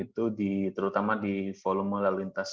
terutama di volume lalu lintas